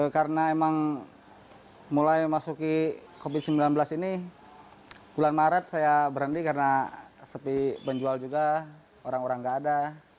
karena emang mulai masuk ke covid sembilan belas ini bulan maret saya berhenti karena sepi penjual juga orang orang nggak ada